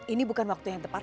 ini bukan waktu yang tepat